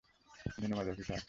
ধন্যবাদ, অফিসার।